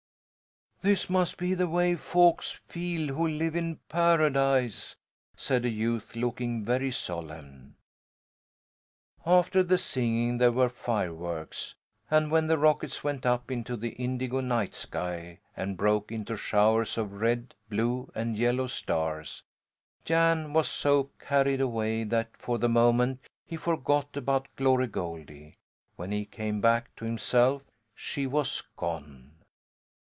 "This must be the way folks feel who live in Paradise," said a youth, looking very solemn. After the singing there were fireworks, and when the rockets went up into the indigo night sky and broke into showers of red, blue, and yellow stars, Jan was so carried away that for the moment he forgot about Glory Goldie. When he came back to himself she was gone.